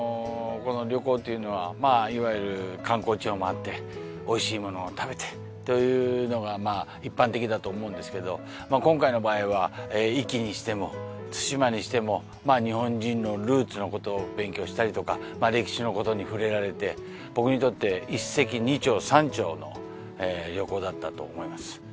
旅行というのはまあいわゆる観光地を回っておいしいものを食べてというのがまあ一般的だと思うんですけど今回の場合は壱岐にしても対馬にしても日本人のルーツのことを勉強したりとか歴史のことに触れられて僕にとって一石二鳥三鳥の旅行だったと思います。